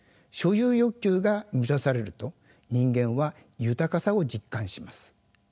所有欲求が満たされると人間は豊かさを実感します。